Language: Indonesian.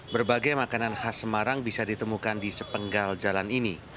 berbagai makanan khas semarang bisa ditemukan di sepenggal jalan ini